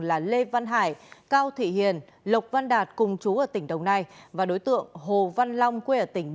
là lê văn hải cao thị hiền lộc văn đạt cùng chú ở tỉnh đồng nai và đối tượng hồ văn long quê ở tỉnh